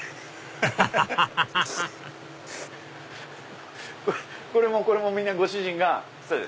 アハハハハこれもこれもみんなご主人が？